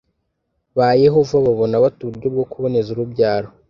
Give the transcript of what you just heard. ba yehova babona bate uburyo bwo kuboneza urubyaro